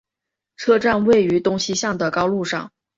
车站位于东西向的高路上。